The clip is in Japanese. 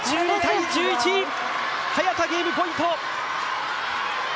早田ゲームポイント。